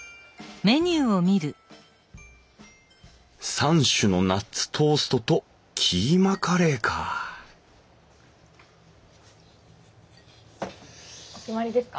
３種のナッツトーストとキーマカレーかお決まりですか？